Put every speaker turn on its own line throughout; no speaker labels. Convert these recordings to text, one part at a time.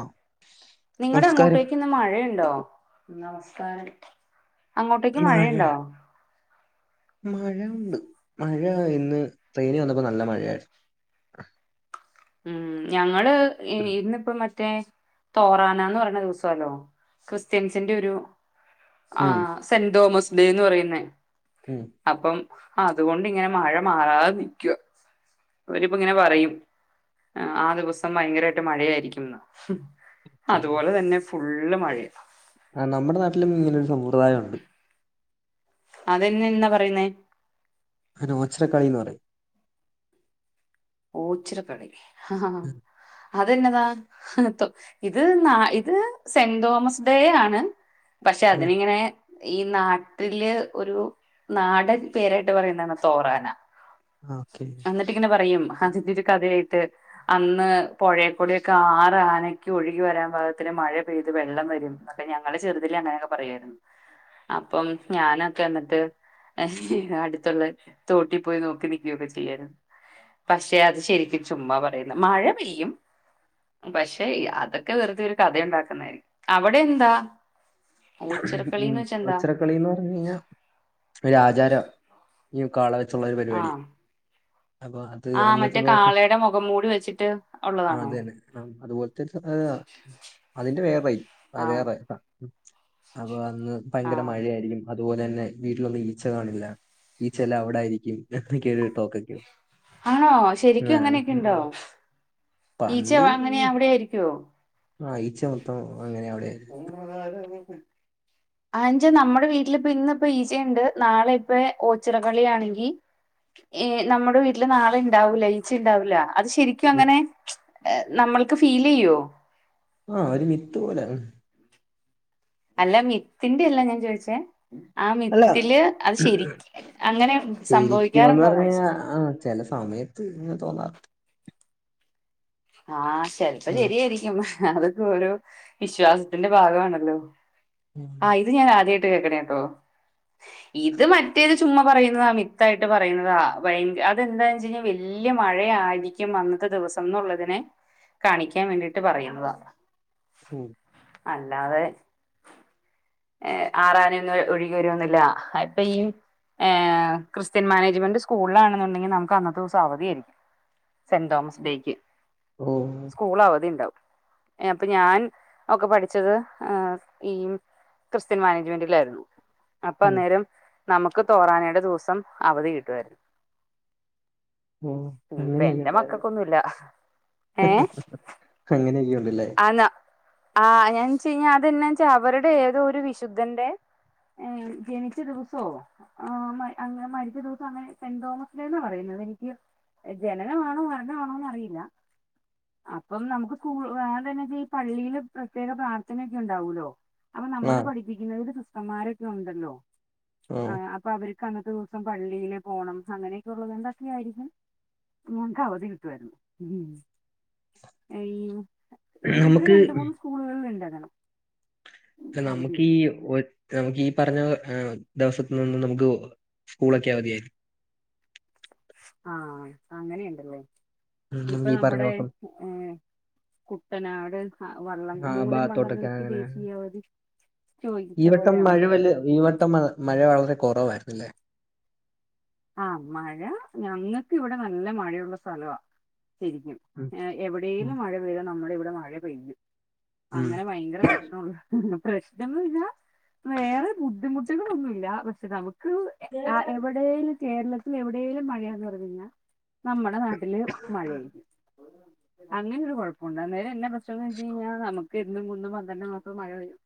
ആഹ്
നിങ്ങളടെ
നമസ്കാരം
അങ്ങോട്ടേക്ക് ഇന്ന് മഴയുണ്ടോ നമസ്കാരം അങ്ങോട്ടേക്ക് മഴയുണ്ടോ?
മഴയുണ്ട്, മഴ ഇന്ന് ട്രെയിനി വന്നപ്പോ നല്ല മഴയായിരുന്നു
ഉം, ഞങ്ങള് ഇന്നിപ്പ മറ്റേ തോറാനന്ന് പറഞ്ഞ ദിവസല്ലോ ക്രിസ്ത്യൻസിന്റെ ഒരു ആ
ഉം
സെന്റ് തോമസ് ഡേ എന്ന് പറയുന്ന
ഉം
അപ്പം അതുകൊണ്ട് ഇങ്ങനെ മഴ മാറാതെ നിക്കുവ അവരിപ്പ ഇങ്ങനെ പറയും ആ ദിവസം ഭയങ്കരമായിട്ട് മഴയായിരിക്കുംന്ന് അതുപോലെ തന്നെ ഫുള്ള് മഴയ
ആ നമ്മുടെ നാട്ടിലും ഇങ്ങനെ ഒരു സമ്പ്രദായം ഉണ്ട്
അതെന്നെന്ന പറയുന്നേ
[unintelligible] കളിന്ന് പറയും
ഓച്ചിറ കളി അത് എന്നതാ ഇത് ന്ന, ഇത് സെന്റ് തോമസ് ഡേ ആണ് പക്ഷെ അതിനിങ്ങനെ ഈ നാട്ടില് ഒരു നാടൻ പേരായിട്ട് പറയുന്നതാണ് തോറാന
ആഹ് ഓക്കെ
എന്നിട്ട് ഇങ്ങനെ പറയും ഹജിദ് ഒരു കഥയായിട്ട് അന്ന് പുഴയക്കുളിയൊക്കെ ആറ് ആനക്ക് ഒഴുകി വരാൻ ഭാഗത്തിന് മഴ പെയ്തു വെള്ളം വരും അപ്പോ ഞങ്ങള് ചെറുതിൽ അങ്ങനെയൊക്കെ പറയായിരുന്നു അപ്പം ഞാനൊക്കെ എന്നിട്ട് അടുത്തുള്ള തോട്ടിൽ പോയി നോക്കി നി [unintelligible] ചെയ്യൻ, പക്ഷെ അത് ശരിക്കും ചുമ്മാ പറയുന്ന, മഴ പെയ്യും പക്ഷെ അതൊക്കെ വെറുതെ ഒരു കഥ ഉണ്ടാക്കുന്നതായികും, അവിടെ എന്താ?
ഉം
ഓച്ചിറക്കളിന്ന് വെച്ച എന്താ
ഒച്ചിറക്കുളിന്ന് പറഞ്ഞ കഴിഞ്ഞാൽ ഒരു ആചാര ഈ കാള വെച്ചുള്ള ഒരു
ആ
പരിപാടി അപ്പൊ അത്
ആ
അന്നത്തെ
മറ്റേ
ദിവസം
കാളയുടെ മുഖം മൂടി വെച്ചിട്ട്
ആ
ഉള്ളതാണോ
അതെന്നെ ആ അതുപോലെ തന്നെ അതിന്റെ വേറെ
ആ
വേറെ അപ്പൊ അന്ന്
ആ
ഭയങ്കര മഴയായിരിക്കും അതുപോലെ തന്നെ വീട്ടിലൊന്നും ഈച്ച കാണില്ല ഈച്ചെല്ലാം അവിടായിരിക്കും എനക്ക് ഒരു ടോക്കൊക്കെയ
ആണോ ശരിക്കും
ആ
അങ്ങനെയൊക്കെ ഉണ്ടോ ഈച്ച അങ്ങനെ അവിടെ ആയിരിക്കുവോ
ആഹ ഈച്ച മൊത്തം അങ്ങനെ അവിടെ ആയിരുന്നു.
[unintelligible] ആഞ്ച നമ്മുടെ വീട്ടിലിപ്പ ഇന്ന ഇപ്പ ഈച്ചയുണ്ട് നാളെ ഇപ്പ ഓച്ചിറകളിയാണെങ്കി നമ്മുടെ വീട്ടില് നാളെ ഉണ്ടാവൂല്ല ഈച്ച ഉണ്ടാവൂല്ല അത് ശെരി ക്കും അങ്ങനെ നമ്മൾക്ക് ഫീൽ ചെയ്യുവോ
ആഹ ഒരു മിത്ത് പോലെ
അല്ല മിത്തിന്റെ അല്ല ഞാൻ ചോദിച്ചേ ആ
അല്ല
മിത്തില് അത് ശരിക്ക് അങ്ങനെ
ശരിക്കുംന്ന്
സംഭവിക്കാറുണ്ടോന്ന്
പറഞ്ഞ
ചോയിച്ചേ
ആ ചില സമയത്ത് ഇങ്ങനെ തോന്നാ
ആ് ചെലപ്പോ
അങ്ങനെ
ശരിയായിരിക്കും അതൊക്കെ ഓരോ വിശ്വാസത്തിന്റെ ഭാഗമാണല്ലോ ആഹ് ഇത് ഞാൻ ആദ്യായിട്ട് കേക്കണേട്ടോ ഇത് മറ്റേത് ചുമ്മാ പറയുന്നതാ മിത്തായിട്ട് പറയുന്നതാ ഭ അതെന്താന്ന് വെച്ച കഴിഞ്ഞാൽ വല്യ മഴയ ആയിരിക്കും ഉം അന്നത്തെ ദിവസം എന്നുള്ളതിനെ കാണിക്കാൻ വേണ്ടിയിട്ട് പറയുന്നതാണ്
ഉം
അല്ലാതെ ആറാണി ഒന്ന് ഒഴുകി വരുവൊന്നില്ല അപ്പൊ ഈ ഏഹ് ക്രിസ്ത്യൻ മാനേജ്മെന്റ് സ്കൂളിലാണെന്നുണ്ടെങ്കിൽ നമുക്ക് അന്ന് ദിവസം അവധിയായിരിക്കും സെന്റ് തോമസ് ഡേക്ക്
ഓ
സ്കൂൾ അവധി ഉണ്ടാവും അപ്പൊ ഞാൻ ഒക്കെ പഠിച്ചത് ഈ ക്രിസ്ത്യൻ മാനേജ്മെന്റിലായിരുന്നു അപ്പൊ
ഉം
അന്നേരം നമുക്ക് തോറാനയുടെ ദിവസം അവധി കിട്ടുവായിരുന്നു
ഓ
ഇനിയിപ്പ
അങ്ങനെയൊക്കെ
എന്റെ
ഉണ്ടാല്ലേ
മക്കൾക്കൊന്നുമില്ല
ഹ്ഹ് അങ്ങനെയൊക്കെ ഉണ്ടല്ലേ
എന്നാന്ന് വച്ച അതെന്നാച്ചാ അവരുടെ ഏതോ ഒരു വിശുദ്ധന്റെ ജനിച്ച ദിവസോ ആ അങ്ങനെ മരിച്ച ദിവസം അങ്ങനെ സെന്റ് തോമസ് ഡേന്നാ പറയുന്നത് എനിക്ക് ജനനമാണോ മരണമാണോന്ന് അറിയില്ല അപ്പം നമുക്ക് സ്കൂ ഈ പള്ളിയില് പ്രത്യേക പ്രാർത്ഥനയക്ക ഉണ്ടാവല്ലോ അ
ആ
നമ്മള് പഠി പഠിപ്പിക്കുന്നതില് സിസ്റ്റർമാരൊക്കെ ഉണ്ടല്ലോ
ഓ
അപ്പൊ അവർക്ക് അന്നത്തെ ദിവസം പള്ളിൽ പോണം അങ്ങനെയൊക്കെ ഉള്ളത് കൊണ്ടൊക്കെ ആരിക്കും ഞങ്ങക്ക് അവധി കിട്ടുവായിരുന്നു ഈ ഇവിടെ ഇവിടെ
നമുക്ക്
രണ്ട മൂന്ന് സ്കൂളുകളിൽ ഉണ്ടങ്ങനെ
നമുക്ക് ഈ നമുക്ക് ഈ പറഞ്ഞ ദിവസിത്തിനു നമുക്ക് സ്കൂളൊക്കെ അവധിആരിക്കും
ആഹ അങ്ങനെയുണ്ടല്ലോ
ഉം നീ പറഞ്ഞോക്ക്
ആഹ് കുട്ടനാട് വള്ളം
ആ
മൂലം വള്ളം
ഭാഗത്തോട്ടൊക്കെ
കളിക്ക് ദേശീയാവധി ചോദിച്ച
ഈവട്ടം
പോലെയാണോ
മഴ വല്യ ഈവട്ടം മഴ വളരെ കുറവായിന്നില്ലേ
ആ മഴ ഞങ്ങക്കൂവിടെ നല്ല മഴയുള്ള സ്ഥലമാ ശെരിക്കും
ഉം ഉം
എവിടെേലും മഴ പെയ്താ നമ്മുടെ ഇവിടെ മഴ പെയ്യും
ഉം
അങ്ങനെ ഭയങ്കര പ്രശ് പ്രശനന്ന് പറഞ്ഞാ വേറെ ബുദ്ധിമുട്ടുകളൊന്നുമില്ല പക്ഷെ നമുക്ക് എവിടേലും കേരളത്തിൽ എവിടേലും മഴന്ന് പറഞ്ഞ് കഴഞ്ഞാൽ നമ്മുടെ നാട്ടില് മഴയായിരിക്കും അങ്ങനെ ഒരു കുഴപ്പൊണ്ട് പക്ഷന്ന് വെച്ച് കഴിഞ്ഞാൽ നമുക്ക് എന്നും കുന്നും പന്ത്രണ്ട് മസോം മഴ പെയ്യും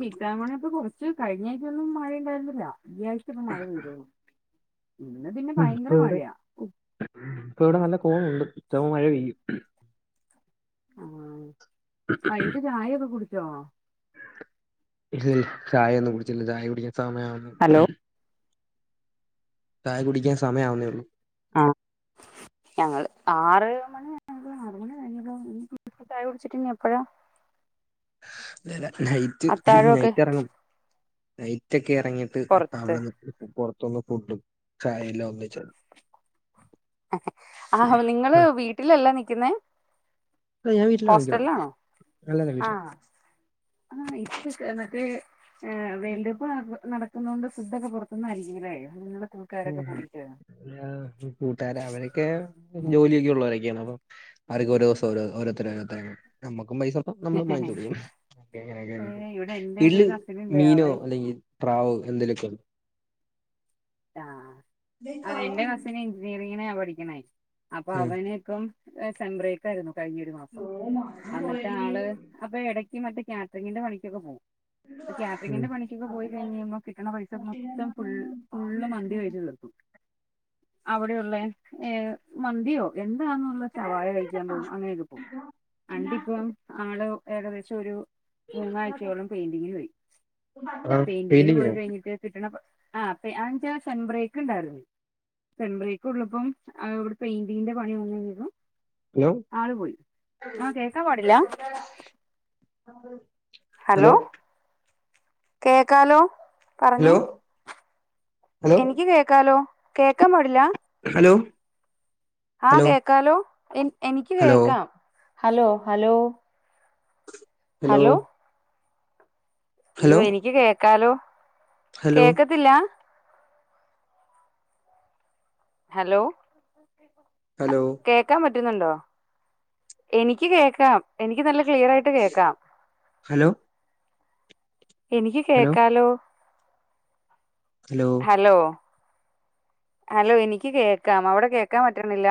ചീത്താമണെ ഇപ്പൊ കൊറച്ച് കഴിഞ്ഞ ആഴ്ചൊന്നും മഴ ഉണ്ടായിരുന്നില്ല ഈ ആഴ്ച ഇപ്പ മഴ പെയ്‌തുള്ളൂ ഇന്ന് പി
ഉം ഇപ്പ ഇവിടെ ഇപ്പ ഇവിടെ നല്ല കോളുണ്ട് ചെലപ്പോ മഴ പെയ്യും
ആ വൈകിട്ട് ചായ ഒക്കെ കുടിച്ചോ
ഇല്ലില്ല ചായ ഒന്നും കുടിച്ചില്ല ചായ കുടിക്കാൻ സമയം ആവുന്നുള്ളു
ഹലോ
ചായ കുടിക്കാൻ സമയാവുന്നേ ഉള്ളൂ
ആ ഞങ്ങള് ആറ് മണി [unintelligible] ആറ് മണി കയിഞ്ഞ് [unintelligible] ചായകുടിച്ചിട്ടിനി എപ്പഴാ
അല്ലല്ല നൈറ്റ്
അത്താഴമൊക്കെ
നൈറ്റ് എറങ്ങും നൈറ്റ് ഒക്കെ ഇറങ്ങിയിട്ട് അപ്പ
പുറത്ത്
അവിടെന്ന് പുറത്തുന്ന് ഫുഡും ചായെല്ലാം ഒന്നിച്ച്
ആഹ് നിങ്ങള് വീട്ടിലല്ല നിക്കുന്നേ
ഞാൻ വീട്ടിലാണ് നിക്കണെ
പ്പോസ്ക്കൽലാണോ
അല്ലല്ല
ആഹ് ആഹ് ആഹ് ഇ [unintelligible] ട്ന്ന് ട്ട് ഏഹ് വേൾഡ് കപ്പ് നട നടക്കുന്നോണ്ട് ഫുഡ്‌ ഓക്ക് പുറത്തുന്നായിരിക്കും ല്ലേ [unintelligible]
ഉം ഹും കൂട്ടുകാര അവരൊക്കെ ജോലിയൊക്കെ ഉള്ളവരൊക്കെയാണ് അപ്പൊ അവരൊക്കെ ഒരോസം ഓരോ ഓരോരുത്തരോരുത്തരായി നമ്മുക്കും പൈസ നമ്മളും മാങ്ങിച്ചൊടുക്കും അങ്ങനെക്കെ ആയി
ഏഹ്
പോകും
ഇവിടെ എന്റെ ഒരു
ഇല്ല
കസിൻ ഉണ്ട്
മീനോ
അവൻ
അല്ലെങ്കിൽ പ്രാവ് എന്തേലൊക്കെയോ
ആഹ് അഹ് എന്റെ കസിന് എഞ്ചിനീയറിങ്ങിനാ പഠിക്കണേ അപ്പൊ
ഉം
അവന് ഇപ്പം ഏഹ് സെൻഡ്രേറ്റ് ആയിരുന്നു കഴിഞ്ഞൊരു മാസം എന്നിട്ട് ആള് അപ്പൊ എടയ്ക്ക് മറ്റേ കാറ്ററിങ്ങിന്റെ പണിക്കൊക്കെ പോവും അപ്പോ
ഉം
കാറ്ററിങ്ങിന്റെ പണിക്കൊക്കെ പോയി കഴിഞ്ഞഴിബം കിട്ടണ പൈസ മൊത്തം ഫുൾ ഫുള്ള് മന്തി കഴിച്ച് തീർക്കും അവിടെ ഉള്ളെ ഏഹ് മന്തിയോ എന്തുവാന്നുള്ളെ ഷവായ കഴിക്കാൻ പോകും അങ്ങനെയൊക്കെ പോവും എൻണ്ടി പ്പോ ആള് ഏകദേശം ഒരു മൂന്നാഴ്ചയോളം പെയിന്റിങ്ങിന് പോയി
ആഹ്
പെയിന്റിങ്ങിന് പോയി
പെയിന്റിങ്ങിനോ
കഴിഞ്ഞിട്ട് കിട്ടണ പ ആഹ് അഞ്ച സെൻ മ്പ്രേക്ക് ണ്ടായിരുന്നു സെൻ ബ്രേക്ക്‌ ഉള്ളപ്പോ എഹ് ഇവിടെ പെയിന്റിങ്ങിന്റെ പണി വന്ന് കഴിഞ്ഞപ്പം ആള് പോയി ആഹ് കേക്കാൻ പാടില്ല
[unintelligible] ഹലോ
കേക്കാലോ പറഞ്ഞെ
ഹലോ ഹലോ
എനിക്ക് കേക്കാലോ കേക്കാൻ പാടില്ല
ഹലോ
ആഹ്
ഹലോ
കേക്കാലോ എൻ എനിക്ക്
ഹലോ
കേക്കാം ഹലോ ഹലോ
ഹലോ
ഇയ്യോ
ഹലോ
എനിക്ക് കേക്കാലോ
ഹലോ
കേക്കത്തില്ല ഹലോ
ഹലോ
കേക്കാം പറ്റുന്നുണ്ടോ എനിക്ക് കേക്കാം എനിക്ക് നല്ല ക്ലിയറായിട്ട് ട്ട് കേക്കാം
ഹലോ
എനിക്ക്
ഹലോ ഹലോ ഹലോ
കേക്കാലോ
ഹലോ
ഹലോ ഹലോ എനിക്ക് കേക്കാം അവിടെ കേക്കാൻ പറ്റുന്നില്ല